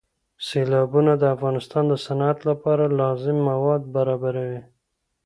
سیلابونه د افغانستان د صنعت لپاره لازم مواد برابروي.